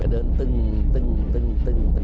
เดินตึ้งตึ้งตึ้งตึ้ง